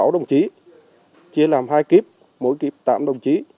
đồng chí chia làm hai kíp mỗi kíp tám đồng chí